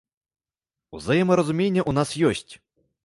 Узаемаразуменне ў нас ёсць.